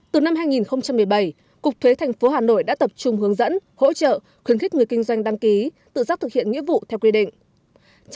từ năm hai nghìn một mươi bảy cục thuế thành phố hà nội đã tập trung hướng dẫn hỗ trợ khuyến khích người kinh doanh đăng ký tự giác thực hiện nghĩa vụ theo quy định